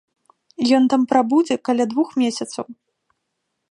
Ён там прабудзе каля двух месяцаў.